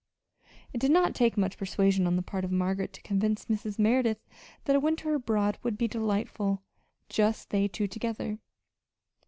It did not take much persuasion on the part of Margaret to convince Mrs. Merideth that a winter abroad would be delightful just they two together.